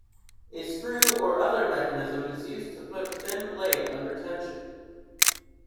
A screw or other mechanism is used to put the thin blade under tension.